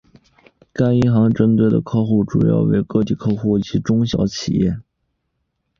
该银行所针对的客户主要为个体客户及中小企业。